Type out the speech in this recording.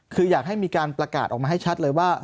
คืออยากให้มีการประกาศออกมาให้ชัดเลยว่า